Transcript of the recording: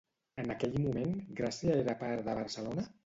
En aquell moment, Gràcia era part de Barcelona?